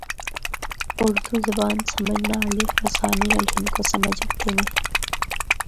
اُردو زبان سمجھنڑا آلے آسانی نال ہندکو سمجھ ہکدے نے۔